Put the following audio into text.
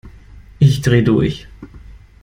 Ich dreh durch!